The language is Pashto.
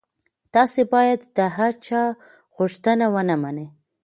تاسي باید د هر چا غوښتنه ونه منئ.